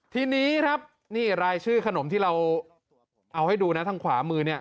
ทีนี้ครับนี่รายชื่อขนมที่เราเอาให้ดูนะทางขวามือเนี่ย